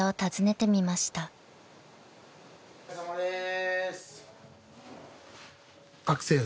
お疲れさまです。